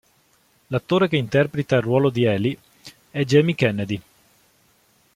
L'attore che interpreta il ruolo di Eli è Jamie Kennedy.